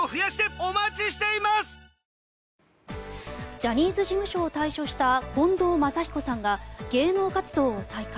ジャニーズ事務所を退所した近藤真彦さんが芸能活動を再開。